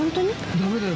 ダメだよ